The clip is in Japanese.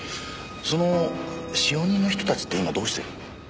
その使用人の人たちって今どうしてる？